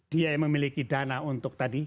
dia yang memiliki dana untuk tadi